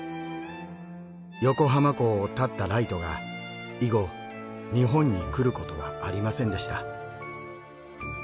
横浜港を発ったライトが以後日本に来ることはありませんでした。